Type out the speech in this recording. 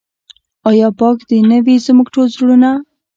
آیا پاک دې نه وي زموږ زړونه؟